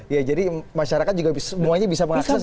ya jadi masyarakat juga semuanya bisa mengakses